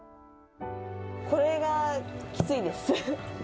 これがきついです。